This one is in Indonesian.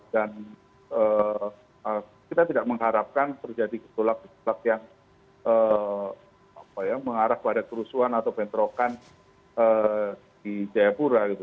dan kita tidak mengharapkan terjadi ketolak ketolak yang mengarah pada kerusuhan atau bentrokan di jayapura gitu